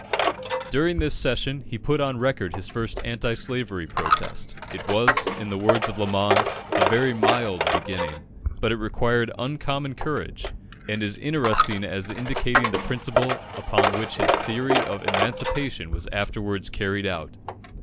During this session, he put on record his first anti slavery protest. It was, in the words of Lamon, "a very mild beginning," but it required uncommon courage, and is interesting as indicating the principle upon which his theory of Emancipation was afterwards carried out.